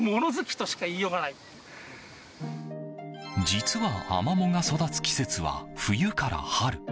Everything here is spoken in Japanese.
実はアマモが育つ季節は冬から春。